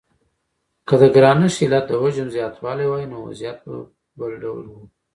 که د ګرانښت علت د حجم زیاتوالی وای نو وضعیت به بل ډول و.